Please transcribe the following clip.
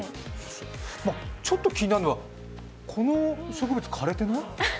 ちょっと気になるのは、この植物、枯れてない？